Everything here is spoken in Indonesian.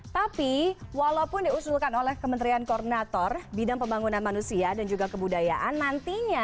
tapi walaupun diusulkan oleh kementerian koordinator bidang pembangunan manusia dan juga kebudayaan nantinya